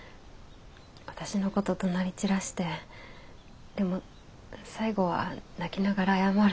私のことどなりちらしてでも最後は泣きながら謝るんです。